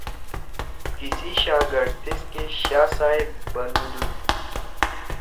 تیِسی شاگڑ تیسکے شاہ صاحب بنُودُود